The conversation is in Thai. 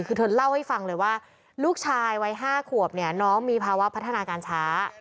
คือเธอเล่าให้ฟังเลยว่าลูกชายวัย๕ขวบเนี่ยน้องมีภาวะพัฒนาการช้า